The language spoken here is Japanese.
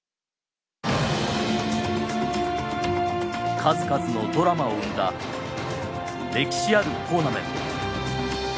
数々のドラマを生んだ歴史あるトーナメント。